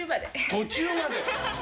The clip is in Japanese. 途中まで？